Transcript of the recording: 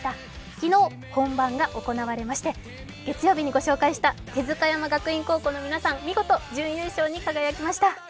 昨日本番が行われまして月曜日にご紹介した帝塚山学院高校の皆さん、見事、準優勝に輝きました。